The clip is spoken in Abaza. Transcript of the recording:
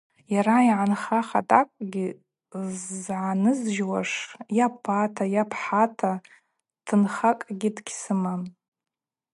Йара йгӏанхаз атӏакӏвгьи ззгӏанызжьуаш йа пата, йа пхӏата тынхакӏгьи дгьсымам.